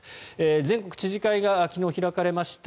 全国知事会が昨日開かれました。